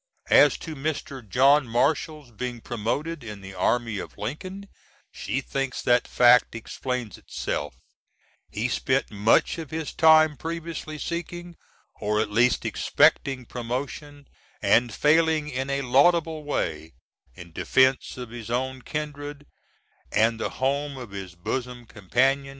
As to Mr. John Marshall's being promoted in the army of Lincoln, she thinks that fact explains itself: he spent much of his time previously seeking, or at least expecting, promotion, & failing in a laudable way, in defence of his own kindred & the home of his bosom companion!